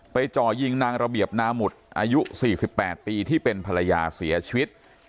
ไปจ่อยิงนางระเบียบนามุทรอายุสี่สิบแปดปีที่เป็นภรรยาเสียชีวิต